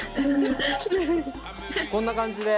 こんな感じで！